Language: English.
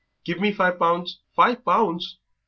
Give me five pounds " "Five pounds!